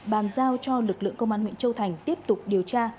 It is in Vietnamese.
bàn giao cho lực lượng công an huyện châu thành tiếp tục điều tra